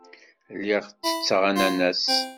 Lliɣ ttetteɣ ananaṣ.